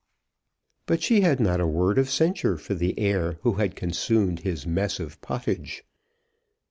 But she had not a word of censure for the heir who had consumed his mess of pottage.